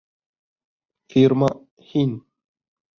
Фирма «һин».